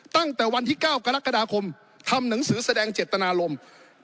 ตั้งแต่วันที่๙กรกฎาคมทำหนังสือแสดงเจตนารมณ์